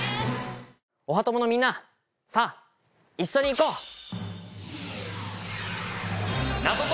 おはトモのみんなさぁ一緒に行こう！